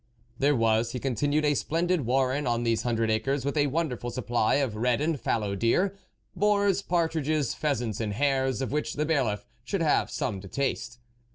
There was, he continued, a splendid warren on these hundred acres, with a wonderful supply of red and fallow deer, boars, partridges, pheasants and hares, of THE WOLF LEADER 59 which the bailiff should have some to taste.